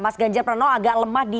mas ganjar pranowo agak lemah di